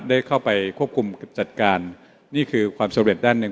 ได้เข้าไปควบคุมจัดการนี่คือความสำเร็จด้านหนึ่ง